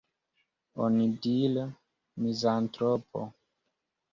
Onidire, mizantropo.